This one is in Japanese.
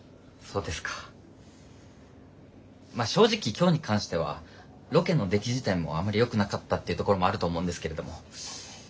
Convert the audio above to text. まぁ正直今日に関してはロケの出来自体もあんまりよくなかったっていうところもあると思うんですけれども。